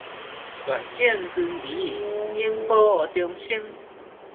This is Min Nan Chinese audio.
願見尊儀，永保長生